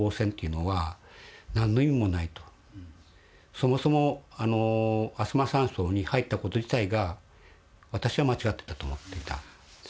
そもそもあさま山荘に入った事自体が私は間違っていたと思っていたんですね。